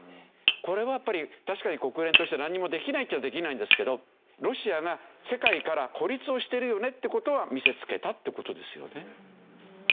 これはやっぱり確かに国連としては何もできないっちゃできないんですけどロシアが世界から孤立をしてるよねって事は見せつけたって事ですよね。